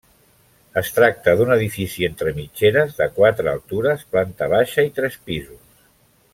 Es tracta d'un edifici entre mitgeres, de quatre altures; planta baixa i tres pisos.